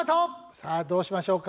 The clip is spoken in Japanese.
さあどうしましょうか？